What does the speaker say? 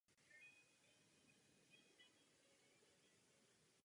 Patří mezi nejmenší koně na světě.